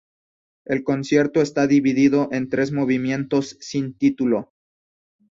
El concierto está dividido en tres movimientos sin título.